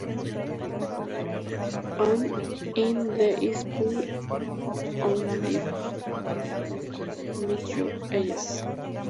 And in this pool of blood, I´ll meet your eyes.